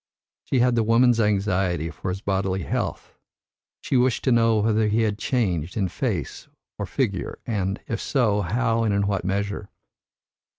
She had the woman's anxiety for his bodily health, she wished to know whether he had changed in face or figure, and, if so, how and in what measure.